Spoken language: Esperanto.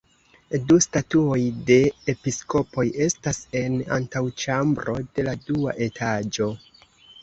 Du statuoj de episkopoj estas en antaŭĉambro de la dua etaĝo.